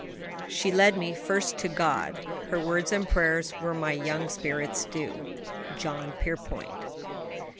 "She led me first to God; Her words and prayers were my young spirit's dew." JOHN PIERPONT.